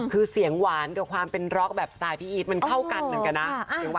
คือเสียงหวานกับความเป็นร็อกแบบสไตล์พี่อีทมันเข้ากันเหมือนกันนะ